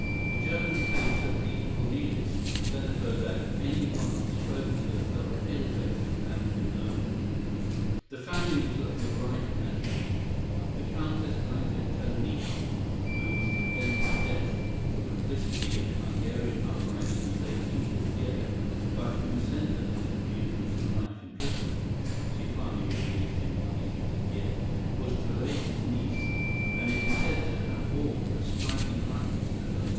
The German painter, Peter Cornelius, said of her that any one who spoke with her felt elevated and ennobled. The family was of the right mettle. The Countess Blanka Teleki, who was condemned to death for complicity in the Hungarian uprising of 1848, but whose sentence was commuted to life imprisonment—she finally was released in 1858,—was Therese's niece, and is said to have borne a striking likeness to her.